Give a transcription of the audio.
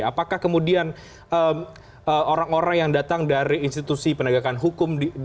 apakah kemudian orang orang yang datang dari institusi penegakan hukum